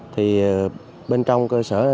thì bên trong cơ sở